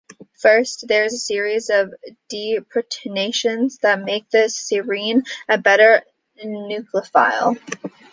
First, there is a series of deprotonations that make the serine a better nucleophile.